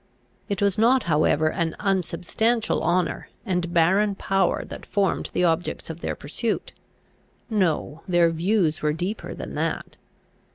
It was not however an unsubstantial honour and barren power that formed the objects of their pursuit: no, their views were deeper than that.